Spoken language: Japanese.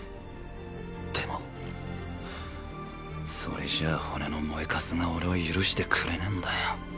でもそれじゃあ骨の燃えカスが俺を許してくれねぇんだよ。